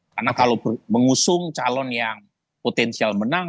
karena kalau mengusung calon yang potensial menang